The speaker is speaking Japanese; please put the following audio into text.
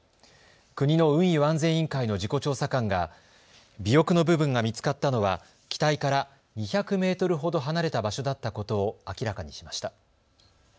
国の運輸安全委員会の事故調査官が尾翼の部分が見つかったのは機体から２００メートルほど離れた場所だったことを明らかにしました。